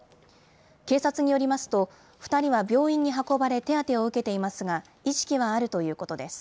警察によりますと、２人は病院に運ばれ手当てを受けていますが、意識はあるということです。